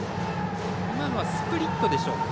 スプリットでしょうか。